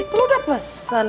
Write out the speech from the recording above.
nah itu lu udah pesen